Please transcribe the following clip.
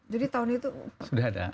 jadi tahun itu sudah ada